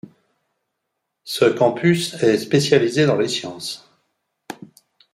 Ce campus est spécialisé dans les sciences.